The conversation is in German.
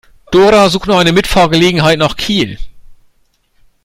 Dora sucht noch eine Mitfahrgelegenheit nach Kiel.